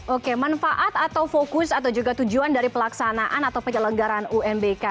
oke manfaat atau fokus atau juga tujuan dari pelaksanaan atau penyelenggaran unbk